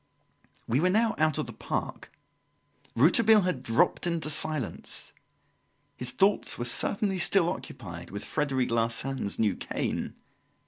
We were now out of the park. Rouletabille had dropped into silence. His thoughts were certainly still occupied with Frederic Larsan's new cane.